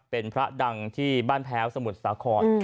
เป็นพระดังที่บ้านแพ้วสมุทรสาคร